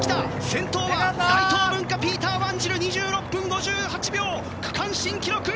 先頭は大東文化ピーター・ワンジル２６分５８秒、区間新記録！